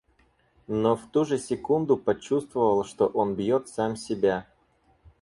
Но в ту же секунду почувствовал, что он бьет сам себя.